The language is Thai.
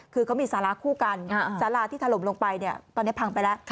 คือเขามีสาราคู่กันสาราที่ถล่มลงไปตอนนี้พังไปแล้ว